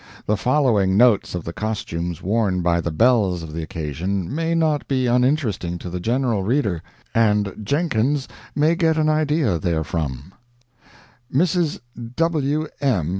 The following notes of the costumes worn by the belles of the occasion may not be uninteresting to the general reader, and Jenkins may get an idea therefrom: Mrs. W. M.